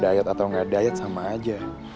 mau diet atau gak diet sama aja